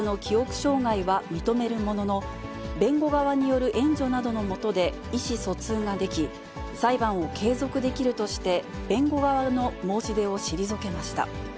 障害は認めるものの、弁護側による援助などのもとで、意思疎通ができ、裁判を継続できるとして、弁護側の申し出を退けました。